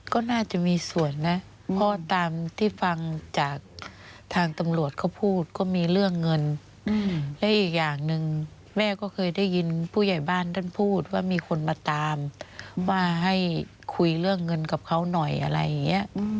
ก็น่าจะมีส่วนนะเพราะตามที่ฟังจากทางตำรวจเขาพูดก็มีเรื่องเงินและอีกอย่างหนึ่งแม่ก็เคยได้ยินผู้ใหญ่บ้านท่านพูดว่ามีคนมาตามว่าให้คุยเรื่องเงินกับเขาหน่อยอะไรอย่างนี้